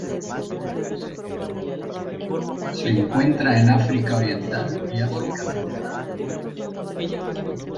Se encuentra en África oriental y África central.